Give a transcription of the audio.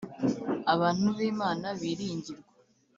Abantu b’Imana biringirwa